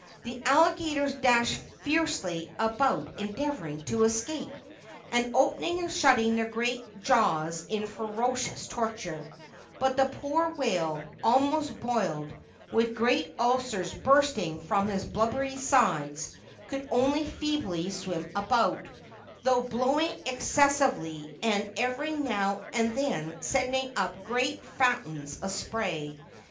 The alligators dashed fiercely about endeavoring to escape, and opening and shutting their great jaws in ferocious torture; but the poor whale, almost boiled, with great ulcers bursting from his blubbery sides, could only feebly swim about, though blowing excessively, and every now and then sending up great fountains of spray.